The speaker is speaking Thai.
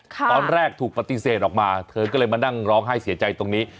ตอนแรกถูกปฏิเสธออกมาเธอก็เลยมานั่งร้องไห้เสียใจตรงนี้